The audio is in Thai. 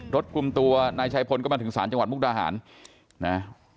รถคุมตัวนายชายพลก็มาถึงศาลจังหวัดมุกดาหารนะ